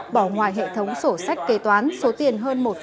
bỏ ngoài hệ thống sổ sách kế toán